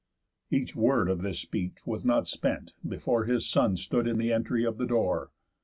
Each word of this speech was not spent, before His son stood in the entry of the door.